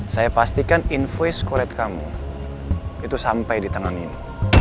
saya pastikan invoice kuret kamu itu sampai di tangan ini